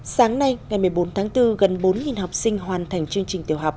sáng nay ngày một mươi bốn tháng bốn gần bốn học sinh hoàn thành chương trình tiểu học